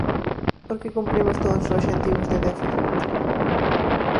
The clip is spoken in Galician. ¿Porque cumprimos todos os obxectivos de déficit?